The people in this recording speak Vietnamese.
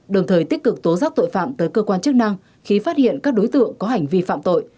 đồng thời tích cực tố giác tội phạm tới cơ quan chức năng khi phát hiện các đối tượng có hành vi phạm tội